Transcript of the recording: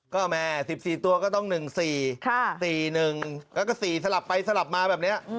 ก็แม่๑๔ตัวก็ต้อง๑๔๔๑แล้วก็๔สลับไปสลับมาแบบนี้